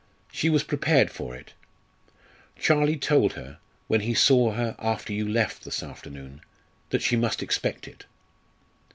"She was prepared for it. Charlie told her when he saw her after you left this afternoon that she must expect it."